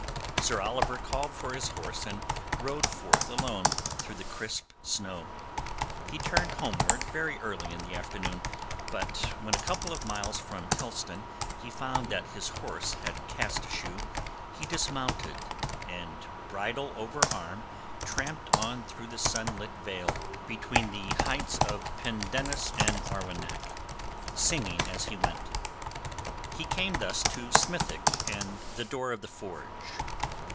Sir Oliver called for his horse and rode forth alone through the crisp snow. He turned homeward very early in the afternoon, but when a couple of miles from Helston he found that his horse had cast a shoe. He dismounted, and bridle over arm tramped on through the sunlit vale between the heights of Pendennis and Arwenack, singing as he went. He came thus to Smithick and the door of the forge.